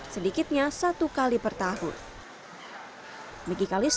sedikitnya satu kali per tahun